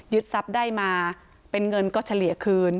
ทรัพย์ได้มาเป็นเงินก็เฉลี่ยคืน